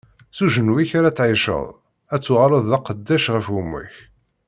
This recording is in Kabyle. S ujenwi-k ara tɛiceḍ, ad tuɣaleḍ d aqeddac ɣef gma-k.